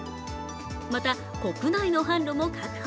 また、国内の販路も確保。